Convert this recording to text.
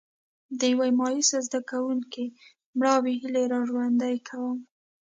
د یو مایوسه زده کوونکي مړاوې هیلې را ژوندي کوم.